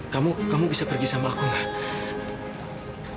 kamu kamu bisa pergi sama aku nggak